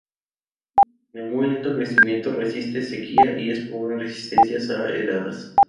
De muy lento crecimiento, resiste sequía y es pobre en resistencia a heladas.